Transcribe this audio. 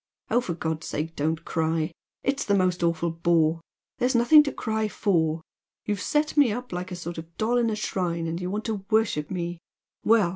Oh, for God's sake don't cry! It's the most awful bore! There's nothing to cry for. You've set me up like a sort of doll in a shrine and you want to worship me well!